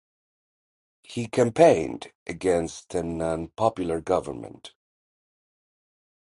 He campaigned against an unpopular government.